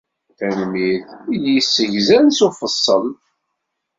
Tanemmirt i d-yessegzan s ufeṣṣel.